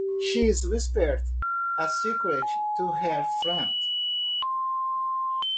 She whispered a secret to her friend.